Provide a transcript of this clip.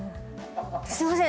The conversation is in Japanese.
「すいません！